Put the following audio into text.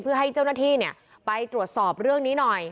เพื่อให้เจ้าหน้าที่ไปตรวจสอบเรื่องนี้หน่อย